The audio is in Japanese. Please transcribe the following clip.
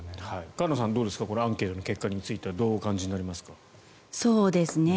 菅野さん、どうですかアンケートの結果についてはどうお感じになりますか。